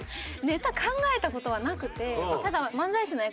ネタ考えた事はなくて。